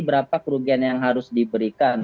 berapa kerugian yang harus diberikan